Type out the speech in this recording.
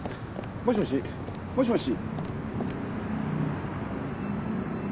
もしもしもしもし？